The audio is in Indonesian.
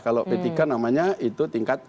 kalau p tiga namanya itu tingkat